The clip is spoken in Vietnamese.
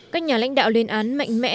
các nhà lãnh đạo lên án mạnh mẽ